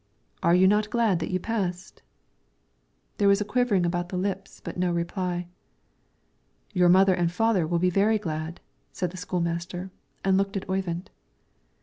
"Are you not glad that you passed?" There was a quivering about the lips but no reply. "Your mother and father will be very glad," said the school master, and looked at Oyvind.